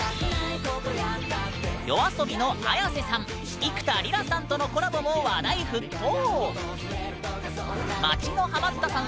ＹＯＡＳＯＢＩのＡｙａｓｅさん幾田りらさんとのコラボも話題沸騰。